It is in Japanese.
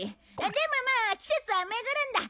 でもまあ季節は巡るんだ。